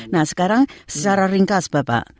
nah sekarang secara ringkas bapak